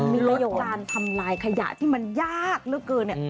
มีประโยชน์การทำลายขยะที่มันยากเยอะเกิน